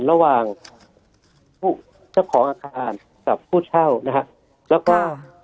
ระหว่างผู้เจ้าของอาคารกับผู้เช่านะฮะแล้วก็